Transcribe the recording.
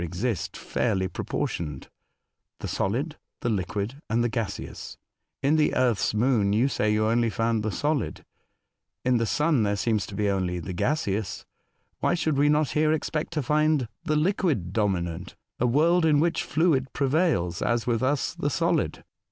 171 exist fairly proportioned — tlie solid, the liquid and the gaseous ; in the Earth's Moon you say you only found the solid ; in the Sun there seems to be only the gaseous ; why should we not here expect to find the liquid dominant — a world in which the fluid prevails as with us the solid